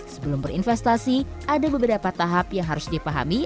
sebelum berinvestasi ada beberapa tahap yang harus dipahami